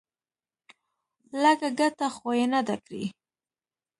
لږه گټه خو يې نه ده کړې.